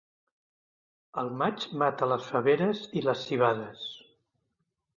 El maig mata les faveres i les civades.